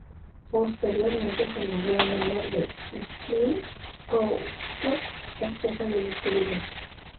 Posteriormente se nombró en honor de Christine Kohoutek, esposa del descubridor.